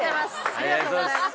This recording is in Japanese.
ありがとうございます！